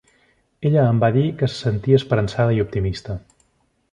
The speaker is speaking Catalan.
Ella em va dir que se sentia esperançada i optimista.